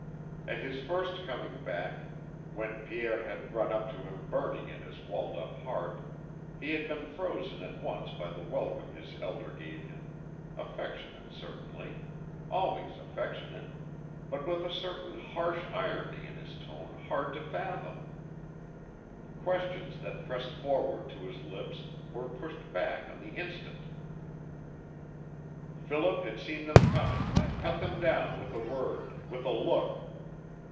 At his first coming back, when Pierre had run up to him burning in his walled up heart, he had been frozen at once by the welcome his elder gave him, affectionate certainly, always affectionate, but with a certain harsh irony in his tone hard to fathom. Questions that pressed forward to his lips were pushed back on the instant. Philip had seen them coming and cut them down with a word, with a look.